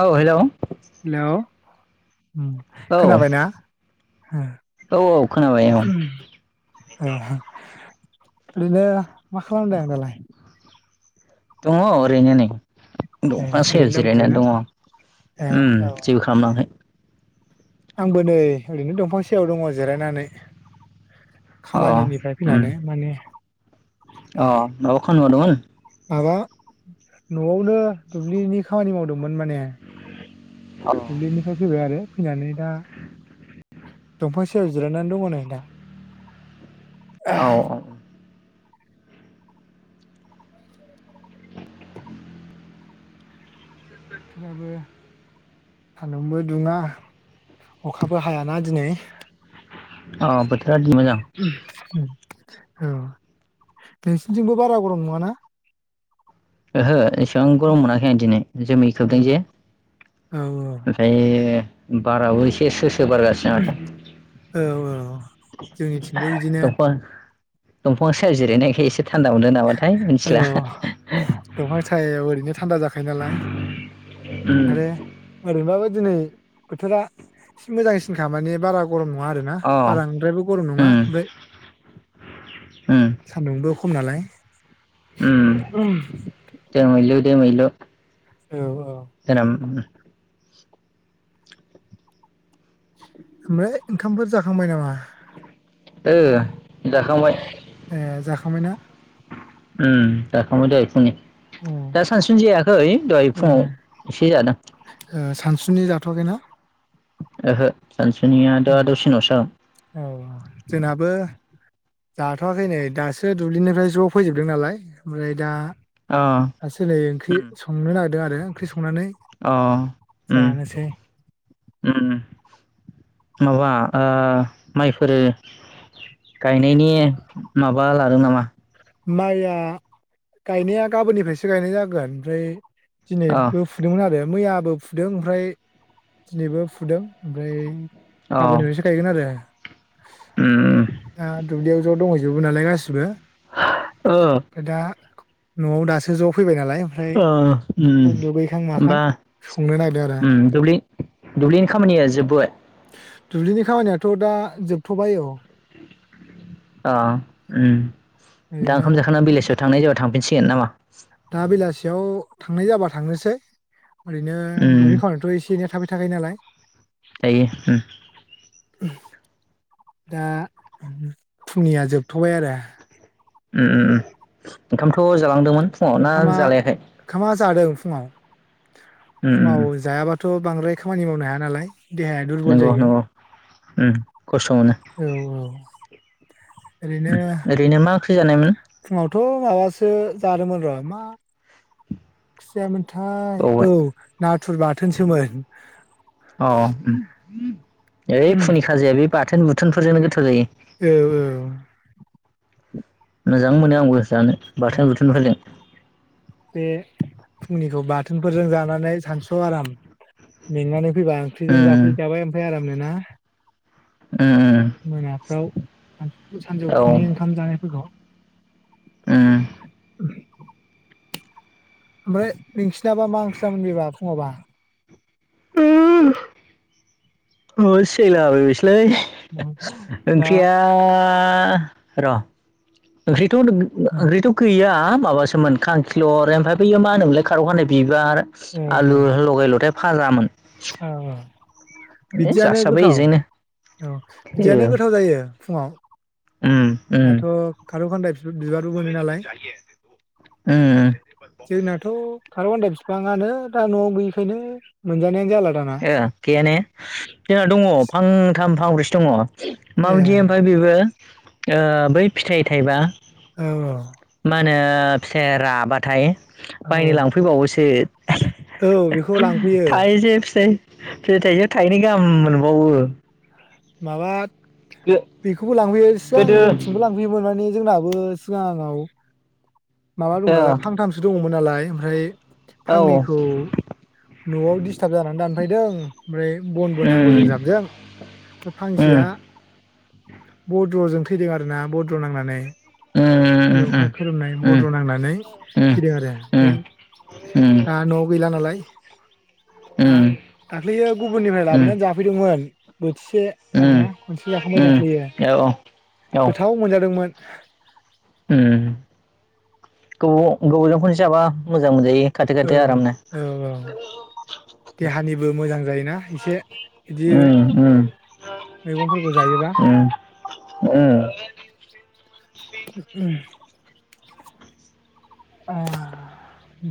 औ hello hello औ खोनाबायना? औ औ खोनाबाय औ। ओ नोङो मा खालामदों आं दालाय? दङ ओरैनो नै ए दंफां सायायाव जिरायनानै दङ। ए ओम औ जेबो खालामाखै [unintelligible] आंबो नै ओरैनो दंफां सायाव दङ जिरायनानै। अ खामानिनिफ्राय उम फैनानै माने अ' माबा खामानि मावदोंमोन? माबा न'आवनो दुब्लिनि खामानि मावदोंमोन माने औ दुब्लिनिफ्राय फैबाय आरो फैनानै दा दंफां सायायाव जिरायनानै दङ नोंथां। औ औ बोथोराबो सान्दुंबो दुङा अखाबो हायाना दिनै अ बोथोर औ नोंसिनिथिंबो बारा गरम नङाना? ओहो एसेबां गरम मोनाखै आं दिनै जोमै खोबदों जे औ औ औ नाथाय बाराबो एसे स्रो -स्रो बारगासिनो माथो औ औ जोंनिथिंबो बिदिनो दंफां- दंफां सायायाव जिरायनायखाय एसे थान्दा मोनो नामाथाय औ मिथिला दंफां सायायाव ओरैनो थानदा जाखायो नालाय उम आरो ओरैबाबो दिनै बोथोरा एसे मोजांसिनखा माने बारा गरम नङा आरोना अ बारा बांद्रायबो गरम नङा ओमफ्राय ओम सान्दुंबो खम नालाय उम दोमैलु दोमैलु औ औ दिधन [unintelligible] ओमफ्राय ओंखामफोर जाखांबाय नामा? ओ जाखांबाय ओ जाखांबायना? ओम जाखांबाय दहाय फुंनि अ दा सानसुनि जायाखै दहाय ए फुङाव एसे जादों। ओ सानसुनि जाथ'वाखैना? ओहो सानसुनिया दा दसे नि उनावसो जागोन। औ जोंनाबो जाथ'वाखै नै दासो दुब्लिनिफ्राय ज' फैजोबदों नालाय ओमफ्राय दा जागोन [inaudible] ओंख्रि संनो नागिरदों आरो ओंख्रि संनानै अ उम। जानोसै उम माबा ओ माइफोरो गायनायनि माबा लादों नामा? माइया गायनाया गाबोननिफ्रायसो गायनाय जागोन ओमफ्राय दिनै अ फुदोंमोन आरो मैयाबो फुदों ओमफ्राय दिनैबो फुदों ओमफ्राय अ गाबोननिफ्रायसो गायगोन आरो उम दा दुब्लियाव ज' दंहै जोबो नालाय गासिबो ओ ओमफ्राय दा न'आव दासो ज'फैबाय नालाय ओमफ्राय अ उम दुगैखां माखां होनोमबा संनो नागिरदों आरो उम दुब्लि दुब्लिनि खामानिया जोबबोबाय? दुब्लिनि खामानियाथ' दा जोबथ'बाय औ। अ अम दा ओरैनो ओंखाम जाखांना बेलेजआव थांनाय जाबा थांफिनसिगोन नामा? दा बेलासियाव थांनाय जाबा थांनोसै। ओरैनो उम दुब्लि खावनायथ' एसे एनै थाबाय थाखायो नालाय। जायो उम। दा फुंनिया जोबथ'बाय आरो। अम उम उम ओंखामथ ' जालांदोंमोन। फुङाव ना ओंखामा जालायाखै ओंखामा जादों फुङाव उम फुङाव उम जायाबा थ' बांद्राय खामानि मावनो हाया नालाय। देहाया दुरबल नंगौ जायो नंगौ उम खस्थ' मोनो। औ औ। ओरैनो उम ओरैनो मा ओंख्रि जानायमोन? फुङावथ' माबासो जादोंमोन र' मा ओंख्रि जायामोनथाय बावबाय औ नाथुर बाथोनसोमोन। अ उम। ओइ फुंनि खाजाया बे बुथोन बुथोनफोरजोंनो गोथाव जायो। औ औ। मोजां मोनो आंबो जानो औ बाथोन बुथोन बुथोनफोरजों। बे फुंनिखौ बाथोनफोरजों जानानै सानसुआव आराम मेंनानै फैबा ओख्रिजों उम जाफै जाबाय ओमफ्राय आरामनो ना। उम उम मोनाफ्राव सानसु औ सानजौफुनि ओंखाम जानायफोरखौ। उम। उम ओमफ्राय नोंसिनाबा मा ओंक्रि जानायमोबा बेबा फुङावबा? अ सियायला बायबायसोलै दा ओंख्रिया आ र ' ओंक्रिथ' होनदों ओंक्रिथ' गैया माबासोमोन खांखिलर ओमफ्राय बैयो मा होनोमोनलाय खार' खानदाय बिबार। औ आलु लगाय ल'थाय फाजामोन। औ औ ए बिदियानो जासाबाय गोथाव बेजोंनो औ ए बिदियानो गोथाव जायो फुङाव उम उम दाथ' खारौ खान्दाय बिबारबो मोनो नालाय उम जोंनाथ' खारखान्दाय बिफाङानो दा न'आव गैयिखायनो मोनजानायानो जाला दाना ए गैया ने जोंना दङ फांथाम फांब्रैसो दङ'। ए माबायदि ओमफ्राय बेबो ओ बै फिथाइ थाइबा ओ मा होनो फिथाया राबाथाय औ बायनो लांफैबावोसो औ औ बेखौ लांफैयो थायजो बे फिथायखौ थाइनै गाहाम मोनबावो माबा बेखौबो लांफैयो सिगां गोदो जोंनिथिंबो लांफैयोमोन माने जोंना बो सिगाङाव माबा दंमोन ओ नालाय फांथामसो दङ'मोन नालाय ओमफ्राय औ फांनैखौ न'आव दिसस्टार्ब जानानै दानफैदों ओमफ्राय बनबो उम नांगौजों जाबजों ओमफ्राय उम फांसेया भद्र'जों थैदों आरो ना भद्र' नांनानै उम बे अखा खोरोमनाय उम उम भद्र नांनानै थैदों आरो ओमफ्राय दा न'आव गैला नालाय दा उम दाख्लैयो गुबुननिफ्राय लाबोनानै उम जाफैदोंमोन बोथिसे उम आरोना खनसे जाखांबाय उम दाख्लैयो औ गोथाव मोनजादोंमोन ओम गोबाव गोबावजों खनसे जाबा मोजां मोनजायो। खाथो औ खाथो आरामनो औ औ देहानिबो मोजां जायोना एसे बिदि ओम ओम मैगंफोरखौ जायोबा ओम ओम [unintelligible]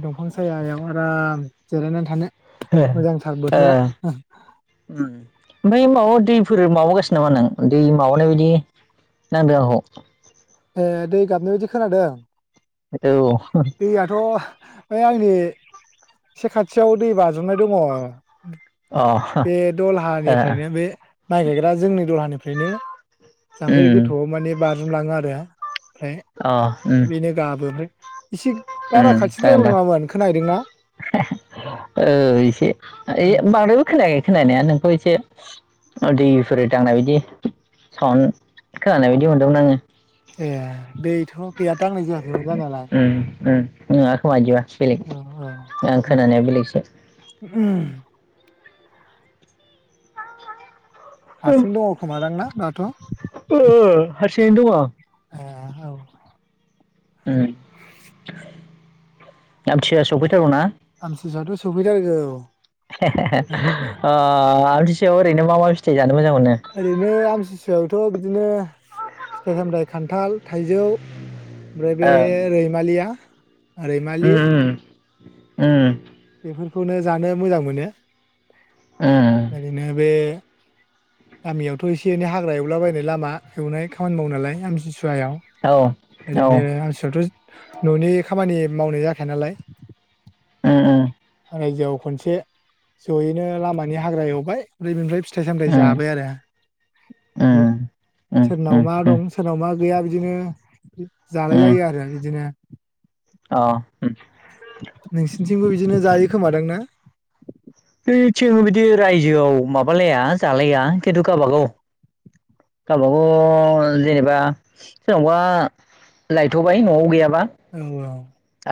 दंफां सायायाव आराम जिरायनानै थानो ओ मोजांथार ओ बोथोरा ओम ओमफ्राय माबा दैफोर माबागासिनो नामा नों दै माबानाय बायदि [unintelligible] ओ दै गाबनाय बायदि खोनादों औ दैयाथ' ओ आंनि एसे खाथियाव दै बाज्रुमनाय दङ' बे अ दलहानिफ्रायनो बे माइ गायग्रा जोंनि दलहानिफ्रायनो ओ जाम्फै उम गोथौआव माने बाज्रुमलाङो आरो ओमफ्राय अ उम बेनो गाबो ओमफ्राय एसे बारा खाथिद्रायबो नङामोन खोनाहैदोंना औ एसे [unintelligible] बांद्रायबो खोनाखै खोनानाया नोंखौ एसे दैफोर दांनाय बायदि साउन्ड खोनानाय बायदि मोनदोंमोन आङो ए दैथ' गैया दांनाय जायाखैमोन जानायालाय ओम ओम नोङा खोमा इदिबा औ बेलेग आं खोनानाया बेलेगसो ओम हारसिं दङ' खोमादां ना दाथ' ओ हारसिङैनो दङ' ए औ ओम आमथिसुवाया सफैथारगौना आमथिसुवायाथ' सौफैथारगौ [inaudible] ओ आमथिसुयाव ओरैनो मा मा फिथाइ जानो मोजां मोनो? ओरैनो आमथिसुवायावथ' बिदिनो फिथाइ सामथाइ खान्थाल थाइजौ ओमफ्राय बे ओ रैमालिया रैमालि उम उम उम बेफोरखौनो जानो मोजां मोनो। उम ओरैनो बे गामियावथ' एसे एनै हाग्रा एवलाबायनाय लामा एवनाय खामानि मावो नालाय आमथि सुवायाव औ उम ओरैनो आमथि सुवायावथ' न'नि खामानि मावनाय जाखाया नालाय। उम उम रायजोआव खनसे जयैनो लामानि हाग्रा एवबाय ओमफ्राय बेनिफ्राय फिथाइ सामथाइ उम जाबाय आरो बिदि उम सोरनाव उम मा उम दं सोरनाव मा गैया बिदिनो जालाय उम लायो आरो बिदिनो। अ उम नोंसिथिंबो बिदिनो जायो खोमा दां ना? जोंनिथिंबो बिदि रायजोयाव माबा लाया खिनथु गावबा गाव गावबा गाव जेनेबा सोरनावबा लायथ'बाय न'वाव गैयाबा औ औ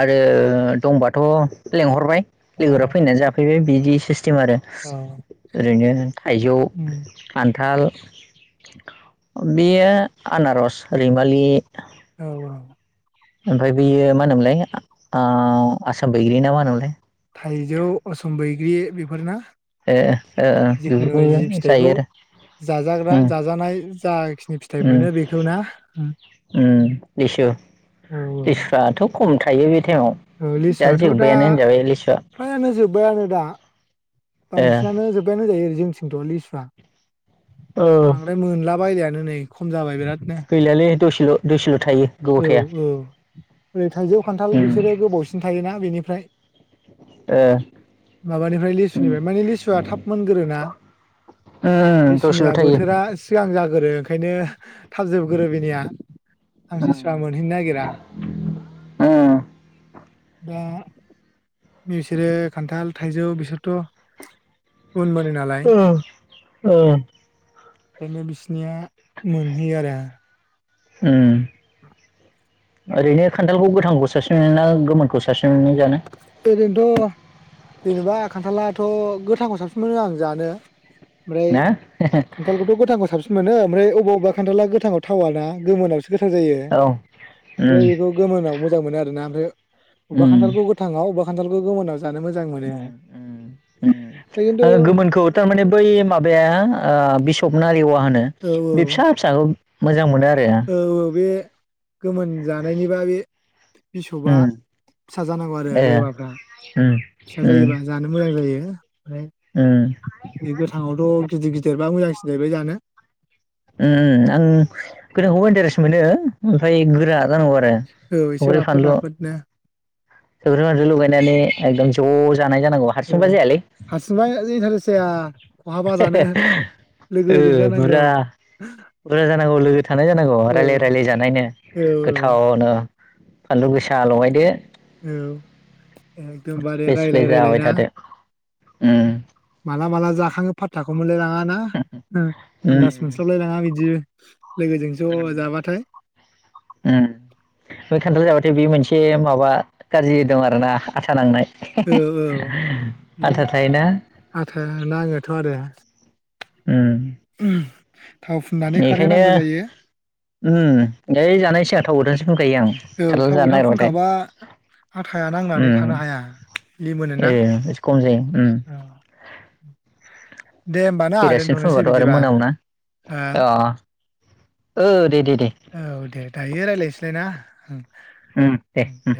आरो दंबाथ' लेंहरबाय औ लोगोफ्रा फैनानै जाफैबाय बिदि सिस्टेम आरो। औ ओरैनो थाइजौ उम खान्थाल बेयो आनारस रैमालि औ औ ओमफ्राय बेयो मा होनोमोनलाय आ आसाम बैग्रि ना मा होनोमोनलाय? थाइजौ असम बैग्रि बेफोरना? ए ओ ओ जिखुनु जि बेफोरखौ जायो फिथाइखौ आरो। जाजाग्रा उम जाजानाय जाखिनि फिथाइ मोनो बेखौ ना? ओम लिसु औ लिसुफ्राथ' खम थायो बे टाइमाव। औ दा लिसुआथ' जोबबायानो होनजाबाय लिसुवा फ्रायानो जोबबायानो दा ओ बांसिनानो जोबबायानो जायो जोंथिंथ' लिसुआ औ ओमफ्राय मोनला बायलायानो नै खम जाबाय बिराद नो। गैलालै दसेल' दुसेल' थायो। गोबाव औ थाया औ ओरै थाइजौ, खान्थाल उम बिसोरो गोबावसिन थायोना बेनिफ्राय। ओ माबानिफ्राय लिसुनिफ्राय माने लिसुवा थाब मोनगोरोना। उम दसेल' लिसुनिया थायो बोथोरा सिगां जागोरो ओंखायनो थाबजोबगोरो बेनिया। आमसिसुवा ओरैनो मोनहैनो नायगिरा माने निसोरो खान्थाल, थाइजौ बिसोरथ' उन मोनो नालाय। बेनो [unintelligible] बिसनिया मोनहैयो आरो। उम ओरैनो खान्थालखौ गोथांखौ साबसिन मोनोना गोमोनखौ साबसिन मोनो जानो? ओरैनोथ' जेनेबा खान्थालाथ' गोथांखौ साबसिन मोनो आं जानो। ओमफ्राय ना खा खान्थालखौथ' गोथांखौ साबसिन मोनो ओमफ्राय अबा अबा खान्थाला गोथाङाव थावा ना गोमोनावसो गोथाव जायो औ उम ओमफ्राय बेखौ गोमोनाव मोजां मोनो आरोना ओमफ्राय बबेबा उम खान्थालखौ गो गोथाङाव अबेबा खान्थालखौ गोमोनाव जानो मोजां मोनो उम खिन्थु गोमोनखौ थारमाने बै माबाया बिसब नारि अवा होनो औ बे बिसा फिसाखौ मोजां मोनो आरो। ओ ओ बे गोमोन जानायनिबा बे बिसबआ उम फिसा जानांगौ आरो ए रेवाफ्रा। उम फिसा उम जायोबा जानो मोजां जायो ओमफ्राय उम बे गोथाङावथ' गिदिर गिदिरबा मोजांसिन जाहैबाय जानो। ओम ओम आं गोथांखौ बा इन्टारेस मोनो ओमफ्राय गोरा जानांगौ आ औ एसे राफोद राफोदनो सोबख्र सद्रि लुगायनानै एकदम ज' जानाय जानांगौ आरो औ हारसिंबा जथार जाया खहाबा जानो औ लोगोजों बुर जानांगौ बुरजा जानांगौ लोगो थानाय जानांगौ औ रायजलाय रायलाय जानायनो औ गोथावनो फानलु गोसा लगायदो औ सिफ्ले सिफ्ले रायजलाय जाबाय थादो उम माला माला जाखाङो फाथ्थाखौ मोनलायलाङा ना उम आन्दास मोनस्लाबलाय लाङा बिदि लोगोजों ज' जाबाथाय उम खान्थाल जाबाथाय बे मोनसे माबा गाज्रि दं आर ना आसा नांनाय औ औ बे आदा थायोना आथा नाङोथ' आरो उम ओ बेखायनो ाय जानायसै आं थाव गोदानसो दखायो आं औ खारला थाव जानो गोथां नागिरबाथाय फुनखाबा आथाया उ नांनानै थानो हाया लिमोनोना एकसै औ दे होनोमबानो फैगासिनो फबाथ' आरो मोनायावनाा ओ अ दे दे दे औ दे दायो रायज्लायसैलायना उम दे उम